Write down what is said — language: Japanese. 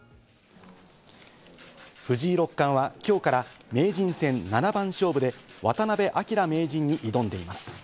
藤井六冠は今日から名人戦七番勝負で渡辺明名人に挑んでいます。